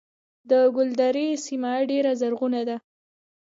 د ګلدرې سیمه ډیره زرغونه ده